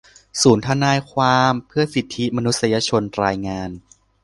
ศูนย์ทนายความเพื่อสิทธิมนุษยชน รายงาน